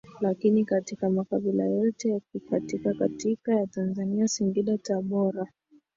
lakini katika Makabila yote ya katikati ya Tanzania Singida Tabora